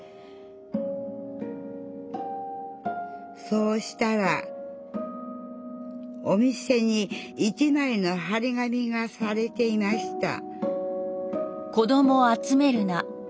そうしたらお店に一まいの貼り紙がされていました